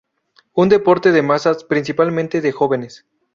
Un deporte de masas, principalmente de jóvenes.